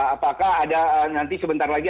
apakah ada nanti sebentar lagi